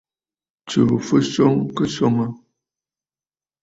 Tsùù fɨswo kɨswoŋǝ.